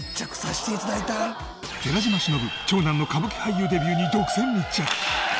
寺島しのぶ長男の歌舞伎俳優デビューに独占密着。